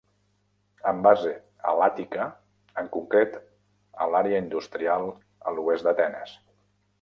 Amb base a l'Àtica, en concret a l'àrea industrial a l'oest d'Atenes.